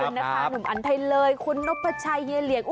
ขอบคุณนะคะหนุ่มอันไทยเลยคุณนกประชายเยเลี่ยง